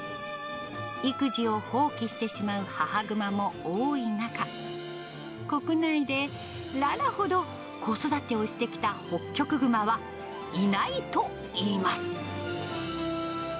育児を放棄してしまう母グマも多い中、国内でララほど子育てをしてきたホッキョクグマはいないといいます。